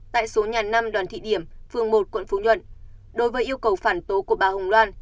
tại số nhà năm đoàn thị điểm phường một quận phú nhuận đối với yêu cầu phản tố của bà hồng loan